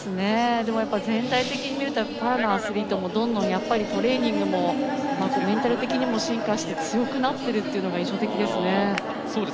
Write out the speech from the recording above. でも、全体的に見たらパラのアスリートもどんどんトレーニングもメンタル的にも進化して強くなっているというのが印象的ですね。